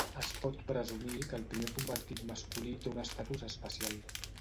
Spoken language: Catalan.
Es pot presumir que el primer convertit masculí té un estatus especial.